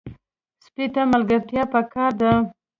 سپي ته ملګري پکار دي.